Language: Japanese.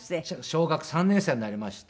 小学３年生になりまして。